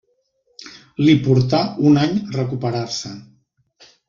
Li portà un any recuperar-se.